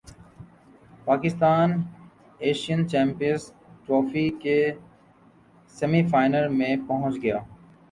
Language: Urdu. پاکستان ایشین چیمپیئنز ٹرافی کے سیمی فائنل میں پہنچ گیا